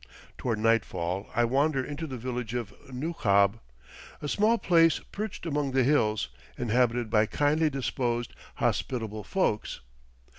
Toward nightfall I wander into the village of Nukhab, a small place perched among the hills, inhabited by kindly disposed, hospitable folks.